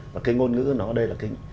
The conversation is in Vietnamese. và cái ngôn ngữ nó ở đây là cái